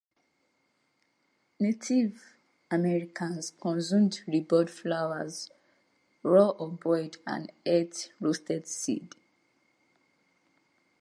Native Americans consumed redbud flowers raw or boiled, and ate roasted seeds.